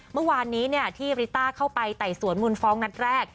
เมื่อวานนี้ที่ริต้าเข้าไปไต่สวนมูลฟ้องนัดแรก